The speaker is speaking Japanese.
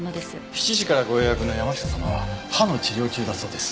７時からご予約の山下様は歯の治療中だそうです。